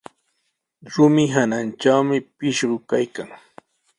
Rumi hanantrawmi pishqu kaykan.